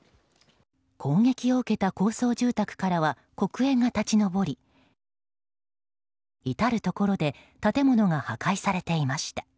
攻撃を受けた高層住宅からは黒煙が立ち上り至るところで建物が破壊されていました。